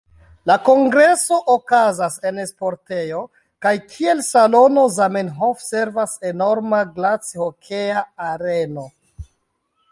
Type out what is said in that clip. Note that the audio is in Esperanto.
La kongreso okazas en sportejo, kaj kiel salono Zamenhof servas enorma glacihokea areno.